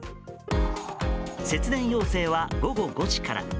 節電要請は午後５時から。